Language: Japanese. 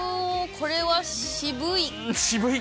これは渋い。